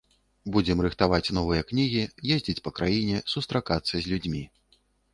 Будзем рыхтаваць новыя кнігі, ездзіць па краіне, сустракацца з людзьмі.